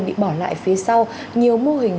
bị bỏ lại phía sau nhiều mô hình